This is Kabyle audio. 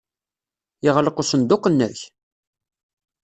Yeɣleq usenduq-nnek?